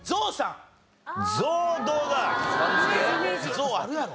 ゾウあるやろ。